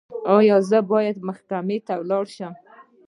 ایا زه باید محکمې ته لاړ شم؟